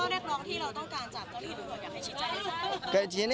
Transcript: ก็คิดว่าแน็กน้องที่เราต้องการจับเขาได้ยินหรือเปล่าอยากให้ชิดแจ้ง